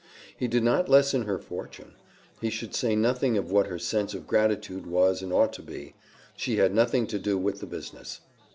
He did not lessen her fortune: he should say nothing of what her sense of gratitude was and ought to be she had nothing to do with the business.